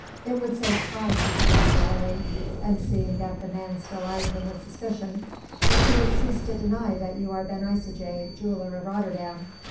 "It would save time," he began dryly, and seeing that the man still eyed him with suspicion, "if you would cease to deny that you are Ben Isaje, jeweller of Rotterdam.